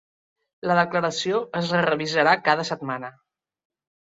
La declaració es revisarà cada setmana